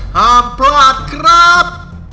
ห้ามพลาดครับ